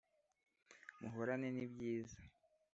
Muhorane n ‘ibyiza .